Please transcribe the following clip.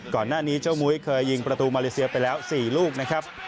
ก่อนหน้านี้เจ้ามุ้ยเคยยิงประตูมาเลเซียไปแล้ว๔ลูกนะครับ